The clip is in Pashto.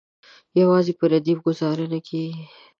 یوازې په ردیف ګوزاره نه کیږي.